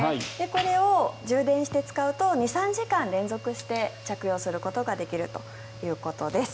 これを充電して使うと２３時間連続して着用することができるということです。